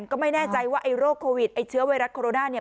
ก็ไม่แน่ใจว่าไอ้โรคโควิดไอ้เชื้อไวรัสโคโรนาเนี่ย